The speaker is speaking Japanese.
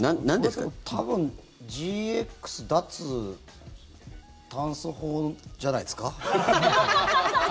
これはでも、多分ＧＸ脱炭素法じゃないですか？